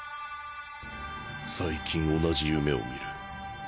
最近同じ夢を見る。